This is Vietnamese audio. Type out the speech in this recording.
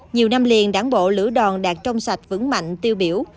nhiều năm liền đảng bộ lữ đoàn đạt trong sạch vững mạnh tiêu biểu